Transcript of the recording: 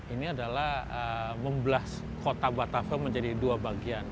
ini adalah membelas kota batavia menjadi dua bagian